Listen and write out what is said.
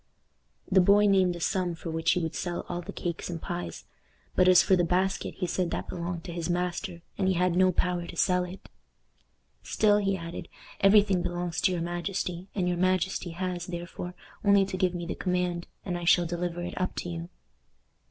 The boy named the sum for which he would sell all the cakes and pies, but as for the basket he said that belonged to his master, and he had no power to sell it. [Illustration: Menzikoff selling his cakes.] "Still," he added, "every thing belongs to your majesty, and your majesty has, therefore, only to give me the command, and I shall deliver it up to you."